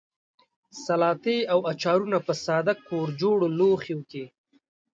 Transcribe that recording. سلاتې او اچارونه په ساده کورجوړو لوښیو کې.